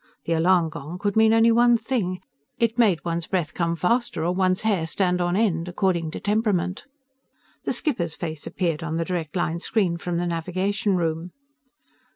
The alarm gong could mean only one thing. It made one's breath come faster or one's hair stand on end, according to temperament. The skipper's face appeared on the direct line screen from the navigation room.